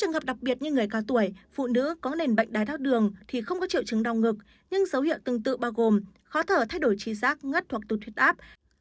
có nền bệnh đáy đau đường thì không có triệu chứng đau ngực nhưng dấu hiệu tương tự bao gồm khó thở thay đổi trí giác ngất hoặc tụt thuyết áp